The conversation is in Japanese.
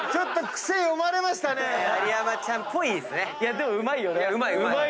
でもうまいよね。